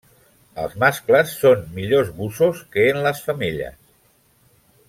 Els mascles són millors bussos que en les femelles.